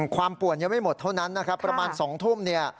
ป่วนยังไม่หมดเท่านั้นนะครับประมาณ๒ทุ่มเนี่ย